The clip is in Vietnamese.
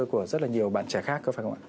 của rất là nhiều bạn trẻ khác thưa phải không ạ